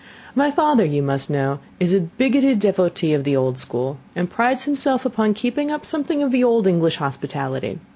My father, you must know, is a bigoted devotee of the old school, and prides himself upon keeping up something of old English hospitality.